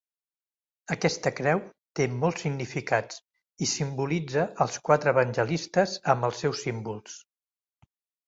Aquesta creu té molts significats i simbolitza els quatre evangelistes amb els seus símbols.